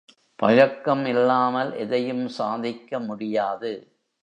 பழக்கம் இல்லாமல் எதையும் சாதிக்க முடியாது.